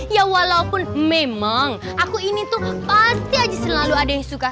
ya walaupun memang aku ini tuh pasti aja selalu ada yang suka